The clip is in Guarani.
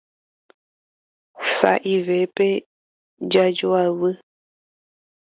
Sa'ivépe jajoavy.